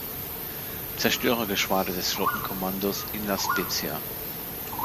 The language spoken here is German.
Zerstörergeschwader des Flottenkommandos in La Spezia.